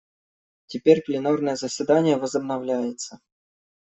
Теперь пленарное заседание возобновляется.